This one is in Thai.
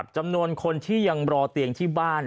จำนวนคนที่ยังรอเตียงที่บ้าน